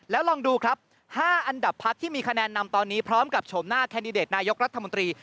แล้วลองดูครับ๕อันดับพักที่มีคะแนนนำตอนนี้พร้อมกับโฉมหน้าแคนดิเดตนายกรัฐมนตรี